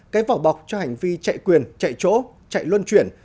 cái vỏ bọc cho hành vi chạy quyền chạy chỗ chạy luân chuyển